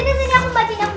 tapi aku yang pegang